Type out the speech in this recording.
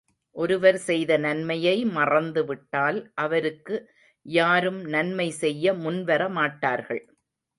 ஒருவர் செய்த நன்மையை மறந்து விட்டால், அவருக்கு யாரும் நன்மை செய்ய முன்வர மாட்டார்கள்.